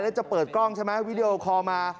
แล้วจะเปิดกล้องไวดีโอคอล์มา